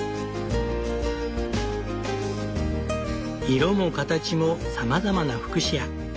色も形もさまざまなフクシア。